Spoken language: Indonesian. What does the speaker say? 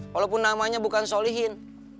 walaupun namanya bukan sholihin